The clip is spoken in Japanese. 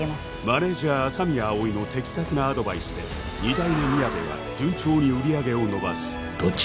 マネージャー麻宮葵の的確なアドバイスで二代目みやべは順調に売り上げを伸ばす